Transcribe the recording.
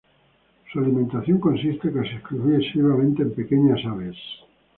Su alimentación consiste casi exclusivamente en pequeñas aves.